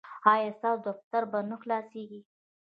ایا ستاسو دفتر به نه خلاصیږي؟